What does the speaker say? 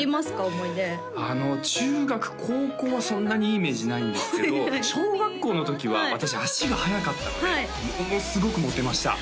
思い出中学高校はそんなにいいイメージないんですけど小学校の時は私足が速かったのでものすごくモテました